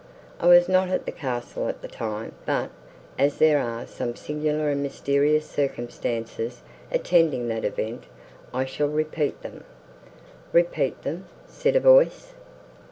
I was not at the castle at the time; but, as there are some singular and mysterious circumstances attending that event, I shall repeat them." "Repeat them!" said a voice.